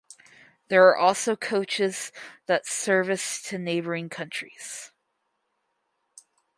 There are also coaches that service to neighbouring countries.